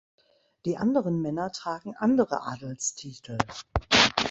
Die anderen Männer tragen andere Adelstitel.